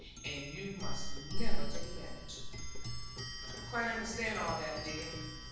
And you must never take advantage.' 'I quite understand all that, dear.